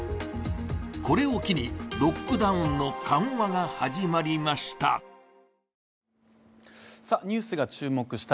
これを機にロックダウンの緩和が始まりました。